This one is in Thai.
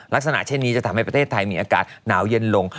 ลักษณะเช่นนี้จะทำให้ประเทศไทยมีอากาศหนาวเย็นลง